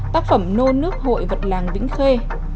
tác phẩm nô nước hội vật làng vĩnh khê